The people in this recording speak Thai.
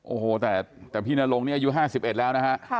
โอ้โหแต่พี่นรงนี่อายุ๕๑แล้วนะฮะ